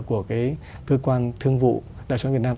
của cơ quan thương vụ đại sản việt nam